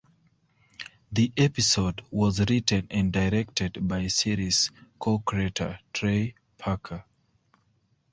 The episode was written and directed by series co-creator Trey Parker.